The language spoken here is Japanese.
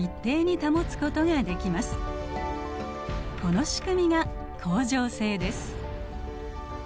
このしくみが恒常性です。